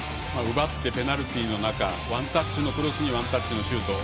奪ってペナルティーの中ワンタッチのクロスにワンタッチのシュート。